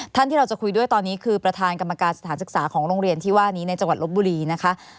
ท่านที่เราจะคุยด้วยตอนนี้คือประธานกรรมการสถานศึกษาของโรงเรียนที่ว่านี้ในจังหวัดลบบุรีนะคะ